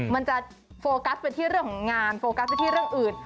มันจะโฟกัสไปที่เรื่องของงานโฟกัสไปที่เรื่องอื่น